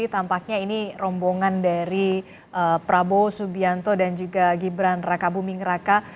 tampaknya ini rombongan dari prabowo subianto dan juga gibran raka buming raka